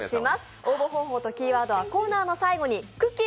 応募方法とキーワードはコーナーの最後にくっきー！